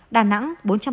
đà nẵng bốn trăm năm mươi ba